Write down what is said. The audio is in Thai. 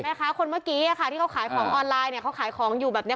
แม่ค้าคนเมื่อกี้อ่ะค่ะที่เขาขายของออนไลน์เนี่ยเขาขายของอยู่แบบเนี้ย